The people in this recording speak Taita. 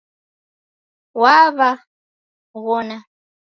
Wawaghona